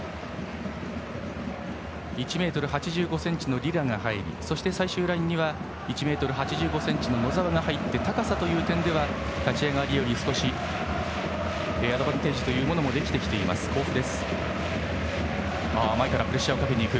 １ｍ８５ｃｍのリラが入りそして最終ラインには１ｍ８５ｃｍの野澤が入って高さという点では立ち上がりより少しアドバンテージというものもできている甲府。